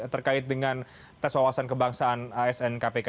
terkait dengan tes wawasan kebangsaan asn kpk